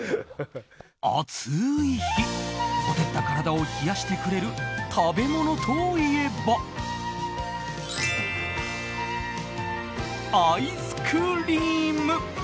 暑い日ほてった体を冷やしてくれる食べ物といえばアイスクリーム。